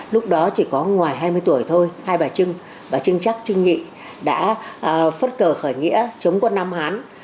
lúc đó chỉ có ngoài hai mươi tuổi thôi hai bà trưng và trưng chắc trưng nghị đã phất cờ khởi nghĩa chống quân nam hán